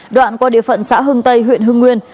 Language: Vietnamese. đoạn qua địa phận xã hưng tây huyện hưng nguyên